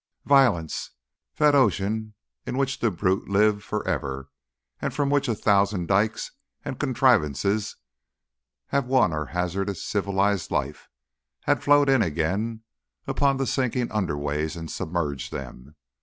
Violence, that ocean in which the brutes live for ever, and from which a thousand dykes and contrivances have won our hazardous civilised life, had flowed in again upon the sinking underways and submerged them.